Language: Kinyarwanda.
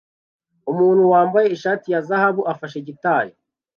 Umuntu wambaye ishati ya zahabu afashe gitari